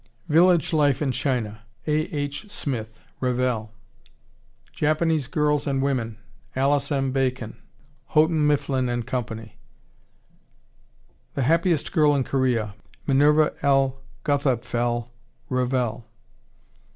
Village Life in China, A. H. Smith, (Revell.) Japanese Girls and Women, Alice M. Bacon, (Houghton Mifflin & Co.) The Happiest Girl in Korea, Minerva L. Guthapfel, (Revell.)